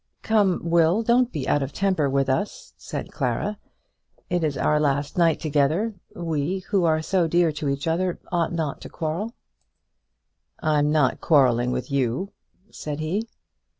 "Come, Will, don't be out of temper with us," said Clara. "It is our last night together. We, who are so dear to each other, ought not to quarrel." "I'm not quarrelling with you," said he.